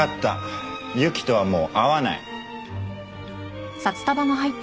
由季とはもう会わない。